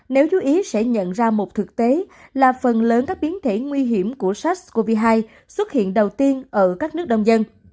nếu chú ý sẽ nhận ra một thực tế là phần lớn các biến thể nguy hiểm của sars cov hai xuất hiện đầu tiên ở các nước đông dân